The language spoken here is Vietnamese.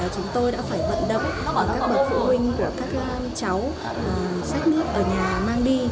chúng tôi đã phải vận động các bậc phụ huynh của các cháu sách nước ở nhà mang đi